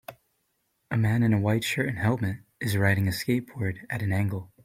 A man in a white shirt and helmet is riding a skateboard at an angle.